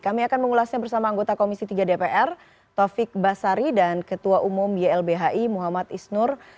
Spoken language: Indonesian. kami akan mengulasnya bersama anggota komisi tiga dpr taufik basari dan ketua umum ylbhi muhammad isnur